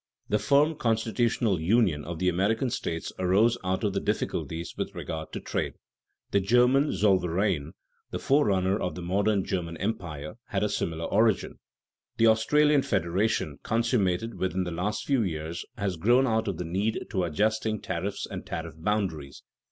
The firm constitutional Union of the American states arose out of difficulties with regard to trade. The German Zollverein, the forerunner of the modern German Empire, had a similar origin. The Australian Federation consummated within the last few years has grown out of the need of adjusting tariffs and tariff boundaries.